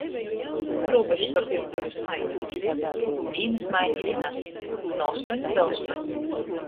Rūbežsorgim dorbs maiņuos: dīnys maiņa i nakts – nu ostoņu da ostoņu.